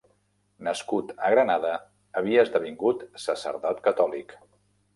Nascut a Granada, havia esdevingut sacerdot catòlic.